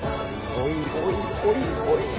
おいおいおいおい。